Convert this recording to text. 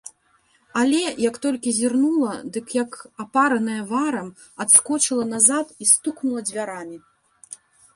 Але, як толькі зірнула, дык, як апараная варам, адскочыла назад і стукнула дзвярамі.